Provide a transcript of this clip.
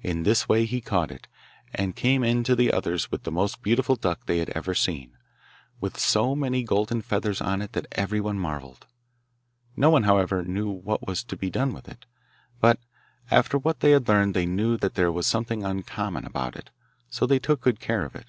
In this way he caught it, and came in to the others with the most beautiful duck they had ever seen with so many golden feathers on it that everyone marvelled. No one, however, knew what was to be done with it; but after what they had heard they knew that there was something uncommon about it, so they took good care of it.